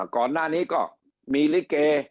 ก่อนหน้านี้ก็มีลิเก